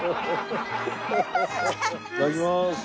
いただきます。